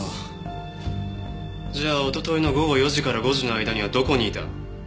じゃあ一昨日の午後４時から５時の間にはどこにいた？